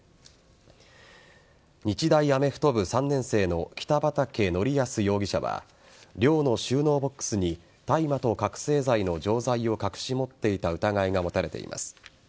日大アメフト部３年生の北畠成文容疑者は寮の収納ボックスに大麻と覚醒剤の錠剤を隠し持っていた疑いが持たれています。